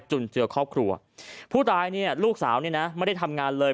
จุนเจอครอบครัวภูตายลูกสาวไม่ได้ทำงานเลย